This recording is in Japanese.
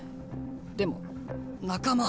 でも仲間。